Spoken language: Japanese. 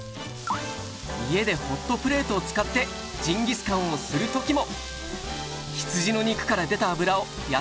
家でホットプレートを使ってジンギスカンをする時も。